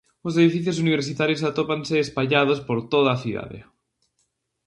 Os edificios universitarios atópanse espallados por toda a cidade.